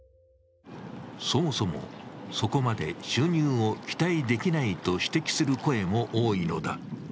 そもそも、そこまで収入を期待できないと指摘する声も多いのだ。